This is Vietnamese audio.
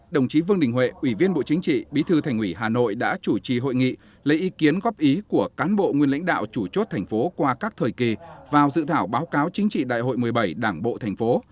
đồng chí vương đình huệ ủy viên bộ chính trị bí thư thành ủy hà nội đã chủ trì hội nghị lấy ý kiến góp ý của cán bộ nguyên lãnh đạo chủ chốt thành phố qua các thời kỳ vào dự thảo báo cáo chính trị đại hội một mươi bảy đảng bộ thành phố